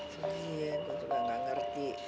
sering gue juga gak ngerti